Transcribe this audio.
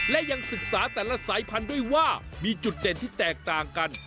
และยังศึกษาแต่ละสายพันธุ์ด้วยว่ามีจุดเด่นที่แตกต่างกัน